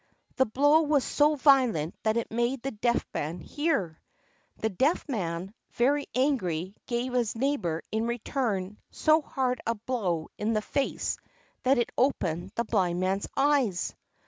The blow was so violent that it made the Deaf Man hear! The Deaf Man, very angry, gave his neighbor in return so hard a blow in the face that it opened the Blind Man's eyes!